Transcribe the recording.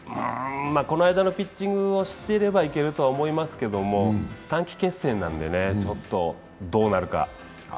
この間のピッチングをしていればいけると思いますけど、短期決戦なんで、ちょっとどうなるか。